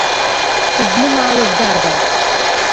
Сызнымаалаз дарбан.